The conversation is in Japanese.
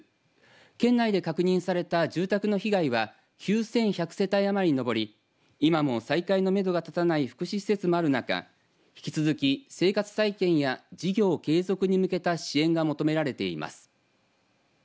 県内で確認された住宅の被害は９１００世帯余りに上り今も再開のめどが立たない福祉施設もある中引き続き生活再建や事業継続に向けた支援が求められています。